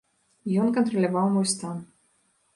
Ён кантраляваў мой стан.